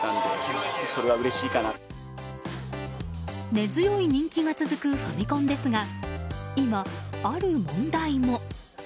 根強い人気が続くファミコンですが今、ある問題も。